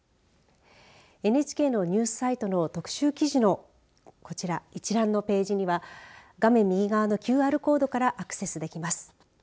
ＮＨＫのニュースサイトの特集記事のこちら、一覧のページには画面右側のＱＲコードからアクセスできます。